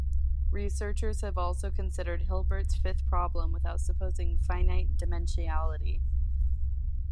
Researchers have also considered Hilbert's fifth problem without supposing finite dimensionality.